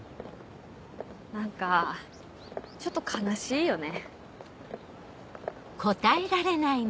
何かちょっと悲しいよね。